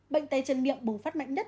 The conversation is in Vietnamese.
bệnh tay chân miệng bùng phát mạnh nhất